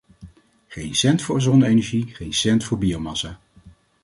Geen cent voor zonne-energie, geen cent voor biomassa.